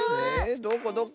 どこどこ？